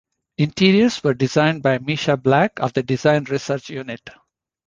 Interiors were designed by Misha Black of the Design Research Unit.